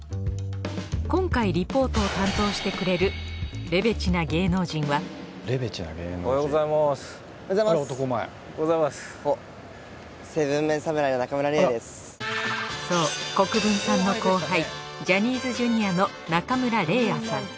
今回リポートを担当してくれるそう国分さんの後輩ジャニーズＪｒ．の中村嶺亜さん